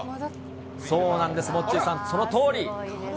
そうなんです、モッチーさん、そのとおり。